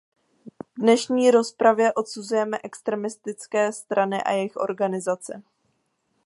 V dnešní rozpravě odsuzujeme extremistické strany a jejich organizaci.